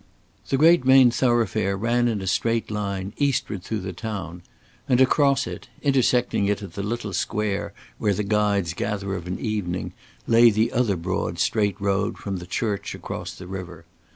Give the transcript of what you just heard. The great main thoroughfare ran in a straight line eastward through the town, and, across it, intersecting it at the little square where the guides gather of an evening, lay the other broad straight road from the church across the river.